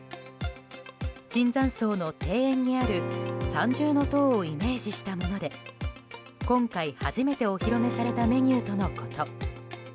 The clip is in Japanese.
椿山荘の庭園にある三重塔をイメージしたもので今回初めてお披露目されたメニューとのこと。